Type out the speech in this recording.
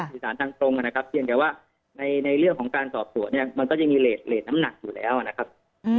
สื่อสารทางตรงนะครับเพียงแต่ว่าในเรื่องของการสอบสวนเนี่ยมันก็จะมีเลสน้ำหนักอยู่แล้วนะครับ